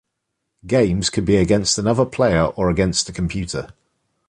Games can be against another player or against the computer.